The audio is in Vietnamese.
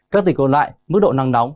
các tỉnh còn lại mức độ nắng nóng